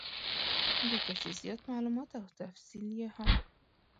بې کچې زیات مالومات او تفصیل یې هم .